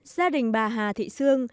gia đình bà hà thị sương